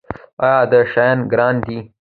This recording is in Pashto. ایا دا شیان ګران دي؟